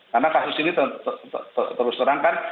karena kasus ini terus terangkan